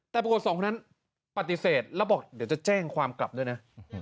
แต่ปรากฏสองคนนั้นปฏิเสธแล้วบอกเดี๋ยวจะแจ้งความกลับด้วยนะ